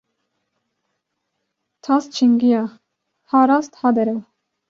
Tas çingiya, ha rast ha derew